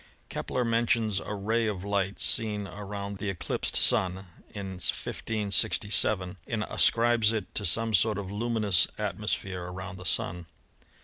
Kepler mentions a ray of light seen around the eclipsed Sun in 1567, and ascribes it to some sort of luminous atmosphere around the Sun.